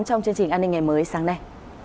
trong chương trình an ninh ngày mới sáng nay